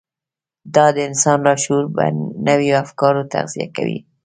دا د انسان لاشعور په نويو افکارو تغذيه کوي.